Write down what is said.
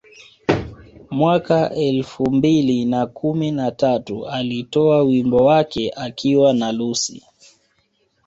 Mwaka elfu mbili na kumi na tatu alitoa wimbo wake akiwa na Lucci